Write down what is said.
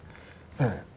ええ。